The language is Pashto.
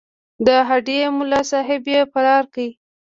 د هډې ملاصاحب یې فرار کړ.